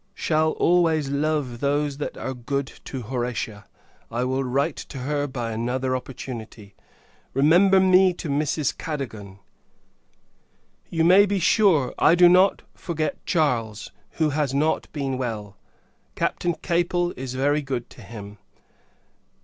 Shall always love those that are good to Horatia. I will write her by another opportunity. Remember me to Mrs. Cadogan. You may be sure, I do not forget Charles, who has not been well; Captain Capel is very good to him.